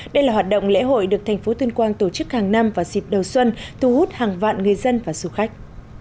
đây là hoạt động lễ hội được tp tuyên quang tổ chức hàng năm và dịp đầu xuân thu hút hàng vạn người dân và du khách